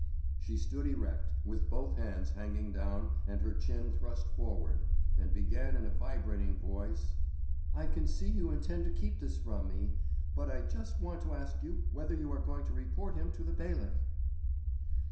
She stood erect, with both hands hanging down and her chin thrust forward, and began in a vibrating voice: "I can see you intend to keep this from me, but I just want to ask you whether you are going to report him to the bailiff."